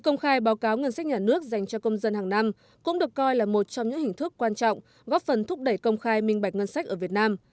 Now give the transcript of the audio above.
công khai báo cáo ngân sách nhà nước dành cho công dân hàng năm cũng được coi là một trong những hình thức quan trọng góp phần thúc đẩy công khai minh bạch ngân sách ở việt nam